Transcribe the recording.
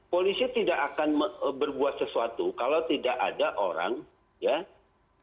polisi tidak akan berbuat sesuatu kalau tidak ada orang ya